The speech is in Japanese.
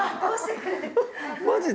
マジで？